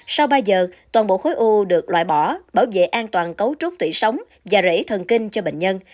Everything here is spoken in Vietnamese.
sau ba giờ toàn bộ khối u được loại bỏ bảo vệ an toàn cấu trúc tủy sống và rễ thần kinh cho bệnh nhân